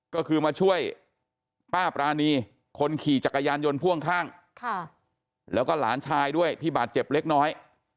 ก็คือมาช่วยป้าปรานีคนขี่จักรยานยนต์พ่วงข้างแล้วก็หลานชายด้วยที่บาดเจ็บเล็กน้อย